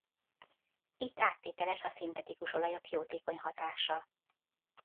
Itt áttételes a szintetikus olajok jótékony hatása.